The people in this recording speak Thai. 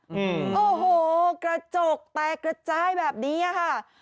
อืมโอ้โหกระจกแตกกระจายแบบนี้อ่ะค่ะ